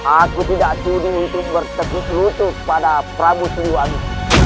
aku tidak tuduh untuk bertekus lutut pada prabu siliwangi